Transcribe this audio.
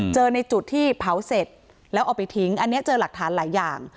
ในจุดที่เผาเสร็จแล้วเอาไปทิ้งอันนี้เจอหลักฐานหลายอย่าง